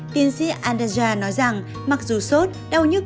tiến sĩ andesa nói rằng mặc dù sốt đau nhức